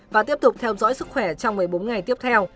và tiếp tục theo dõi sức khỏe trong một mươi bốn ngày tiếp theo